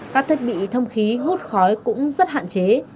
các thiết bị thông khí hút khói cũng rất hạn chế